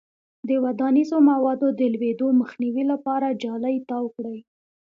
د ودانیزو موادو د لویدو مخنیوي لپاره جالۍ تاو کړئ.